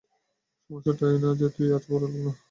সমস্যাটা এই না যে, তুই আজ বড়লোক না।